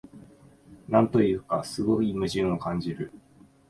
なんというか、すごい矛盾を感じる